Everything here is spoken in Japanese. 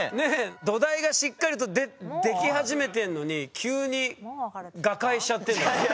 土台がしっかりとでき始めてんのに急に瓦解しちゃってんだよ。